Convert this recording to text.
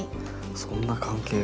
そんな関係が。